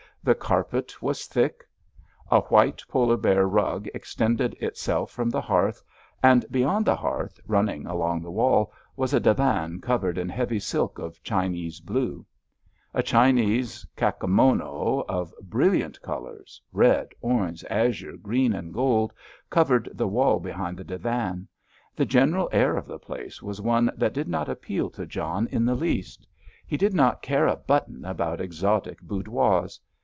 The carpet was thick; a while polar bear rug extended itself from the hearth, and beyond the hearth, running along the wall, was a divan covered in heavy silk of Chinese blue. A Chinese kakemono of brilliant colours—red, orange, azure, green, and gold—covered the wall behind the divan. The general air of the place was one that did not appeal to John in the least. He did not care a button about exotic boudoirs.